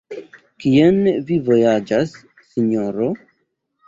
Kien vi vojaĝas, Sinjoro?